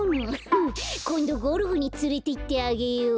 フッこんどゴルフにつれていってあげよう。